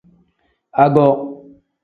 Ago.